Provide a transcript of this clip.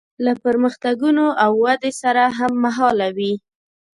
له پرمختګونو او ودې سره هممهاله وي.